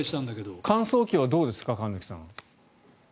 洗濯乾燥機はどうですか神崎さん。